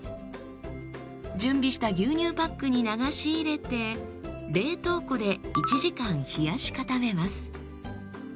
準備した牛乳パックに流し入れて冷凍庫で１時間冷やし固めます。